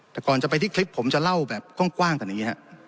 แต่ก่อนจะไปที่คลิปผมจะเล่าแบบกว้างกันอย่างนี้ฮะ